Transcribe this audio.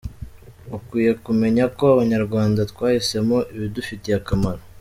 Ukwiye kumenya ko Abanyarwanda twahisemo ibidufitiye akamaro.